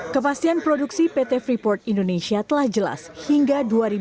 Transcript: kepastian produksi pt freeport indonesia telah jelas hingga dua ribu dua puluh